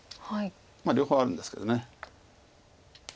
両方あるんですけど。